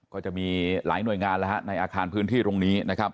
ก็จะมีหลายหน่วยงานแล้วฮะในอาคารพื้นที่ตรงนี้นะครับ